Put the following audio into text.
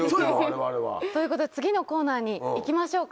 我々は。ということで次のコーナーに行きましょうか。